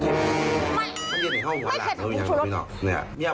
จะว่ามันแซ่บด้านอ่ะ